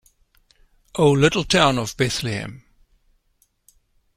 O little town of Bethlehem.